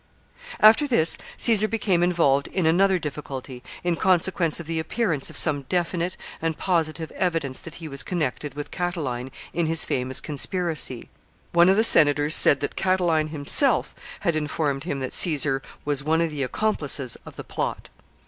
] After this, Caesar became involved in another difficulty, in consequence of the appearance of some definite and positive evidence that he was connected with Catiline in his famous conspiracy. One of the senators said that Catiline himself had informed him that Caesar was one of the accomplices of the plot.